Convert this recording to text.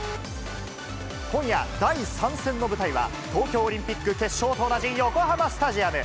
今夜、第３戦の舞台は東京オリンピック決勝と同じ、横浜スタジアム。